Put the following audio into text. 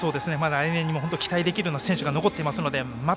来年に期待できる選手が残っていますのでまた